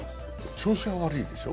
調子が悪いでしょ？